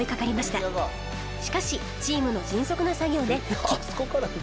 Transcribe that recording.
しかしチームの迅速な作業で復帰